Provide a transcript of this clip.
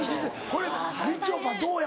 ・これみちょぱどうや？